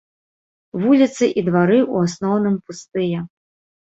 Вуліцы і двары ў асноўным пустыя.